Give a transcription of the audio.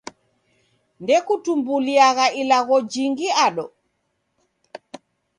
Ndekutumbuliagha ilagho jingi ado?